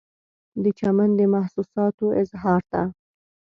د چمن د محسوساتو و اظهار ته